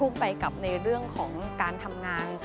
ในเรื่องของการทำงาน